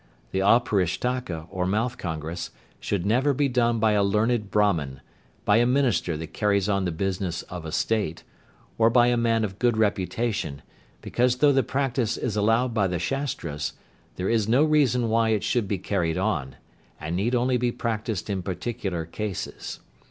The Auparishtaka, or mouth congress, should never be done by a learned Brahman, by a minister that carries on the business of a state, or by a man of good reputation, because though the practice is allowed by the Shastras, there is no reason why it should be carried on, and need only be practised in particular cases.